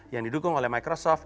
yang didukung oleh microsoft